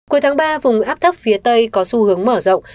cuối tháng ba vùng áp thấp phía tây có xu hướng mở rộng